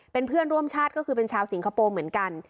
เป็นเพื่อนร่วมชาติก็คือเป็นชาวสิงคโปร์เหมือนกัน